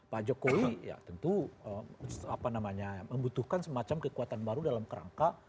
pak jokowi ya tentu membutuhkan semacam kekuatan baru dalam kerangka